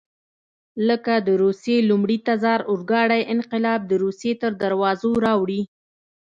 لکه د روسیې لومړي تزار اورګاډی انقلاب د روسیې تر دروازو راوړي.